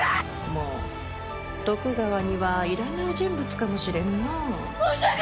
もう徳川には要らぬ人物かもしれぬのぉ。